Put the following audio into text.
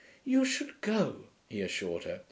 'You should go,' he assured her.